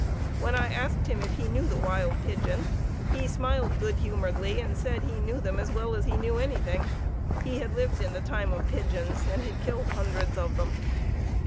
When I asked him if he knew the wild pigeon, he smiled good humoredly and said he knew them as well as he knew anything; he had lived in the time of pigeons, and had killed hundreds of them.